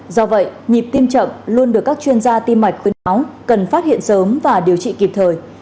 do vậy nhịp tim chậm luôn được các chuyên gia tim mạch khuyến máu cần phát hiện sớm và điều trị kịp thời